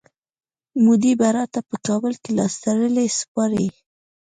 مودي به راته په کابل کي لاستړلی سپارئ.